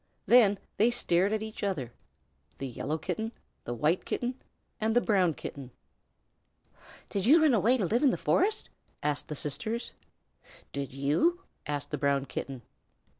Then they stared at each other the Yellow Kitten, the White Kitten, and the Brown Kitten. "Did you run away to live in the forest?" asked the sisters. "Did you?" asked the Brown Kitten.